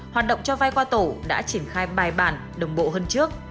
hoạt động cho vay qua tổ đã triển khai bài bản đồng bộ hơn trước